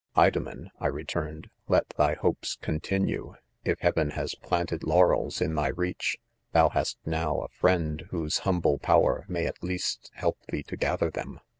" Idomen, 55 I returned, " let thy hopes e©n§ tiaue! If heaven has planted, laurels ■. in thy Eeach, thou Last now 3 a friend, whose humble 144? IDOMENo . power may, at least, help thee. to gather them